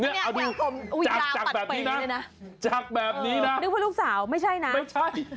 เอาดูจากแบบนี้นะจากแบบนี้นะนึกว่าลูกสาวไม่ใช่นะไม่ใช่